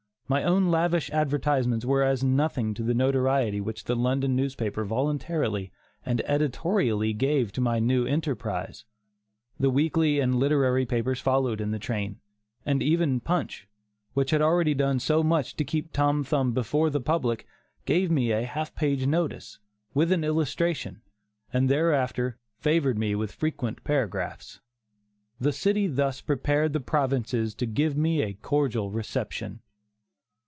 My own lavish advertisements were as nothing to the notoriety which the London newspapers voluntarily and editorially gave to my new enterprise. The weekly and literary papers followed in the train; and even Punch, which had already done so much to keep Tom Thumb before the public, gave me a half page notice, with an illustration, and thereafter favored me with frequent paragraphs. The city thus prepared the provinces to give me a cordial reception.